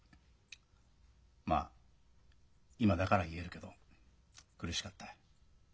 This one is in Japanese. まあ今だから言えるけど苦しかったよ。